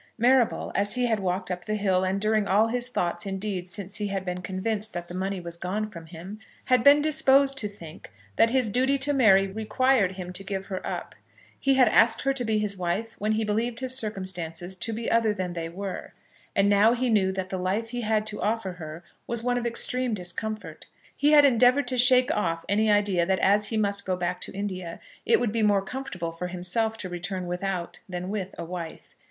Marrable, as he had walked up the hill, and during all his thoughts, indeed, since he had been convinced that the money was gone from him, had been disposed to think that his duty to Mary required him to give her up. He had asked her to be his wife when he believed his circumstances to be other than they were; and now he knew that the life he had to offer to her was one of extreme discomfort. He had endeavoured to shake off any idea that as he must go back to India it would be more comfortable for himself to return without than with a wife.